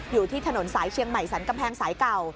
อยู่ที่ถนนสายเชียงใหม่สรรกำแพงสายเก่า